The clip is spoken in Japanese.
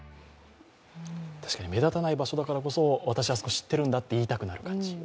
確かに目立たない場所だからこそ、私は、あそこ知っているんだといいたくなる感じ。